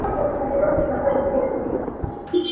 Kuakzuk hi phung ṭha lo ngai a si.